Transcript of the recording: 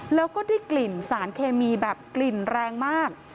แล้วก็ได้กลิ่นสารเคมีแบบกลิ่นแรงมาก